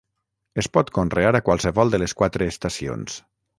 Es pot conrear a qualsevol de les quatre estacions.